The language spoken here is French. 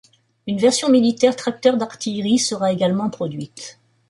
Une version militaire tracteur d'artillerie sera également produite.